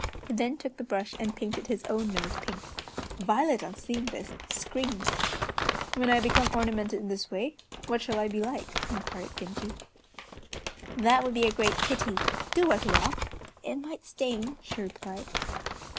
He then took the brush and painted his own nose pink. Violet, on seeing this, screamed. "When I become ornamented in this way what shall I be like?" inquired Genji. "That would be a great pity. Do wipe it off, it might stain," she replied.